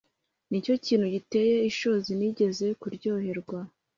nicyo kintu giteye ishozi nigeze kuryoherwa